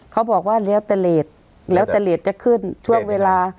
เขาบอกว่าเลี้ยวแต่เลสแล้วแต่เลสจะขึ้นช่วงเวลา